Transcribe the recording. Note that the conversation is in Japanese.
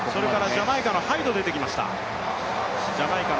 ジャマイカのハイドが出てきました。